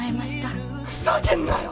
ふざけんなよ！